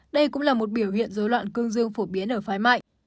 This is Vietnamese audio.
đây cũng là một biểu hiện dối loạn cương dương phổ biến ở phái